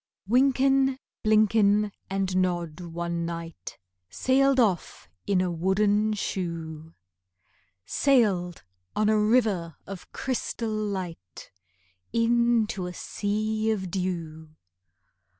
Wynken, Blynken, and Nod one night Sailed off in a wooden shoe,— Sailed on a river of crystal light Into a sea of dew.